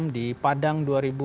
di padang dua ribu sembilan